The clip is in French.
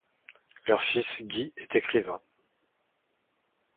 Leur fils Guy est écrivain.